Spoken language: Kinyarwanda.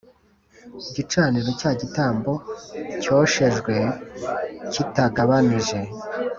Gicaniro cya gitambo cyoshejwe kitagabanije